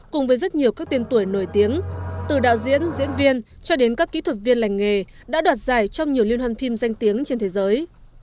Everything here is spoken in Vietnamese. cùng với rất nhiều các tên tuổi nổi tiếng từ đạo diễn diễn viên cho đến các kỹ thuật viên lành nghề đã đoạt giải trong nhiều liên hoàn phim danh tiếng trên thế giới